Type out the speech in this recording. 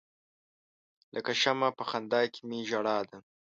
لکه شمع په خندا کې می ژړا ده.